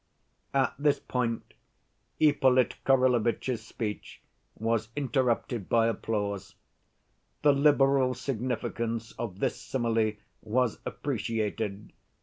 At this point Ippolit Kirillovitch's speech was interrupted by applause. The liberal significance of this simile was appreciated.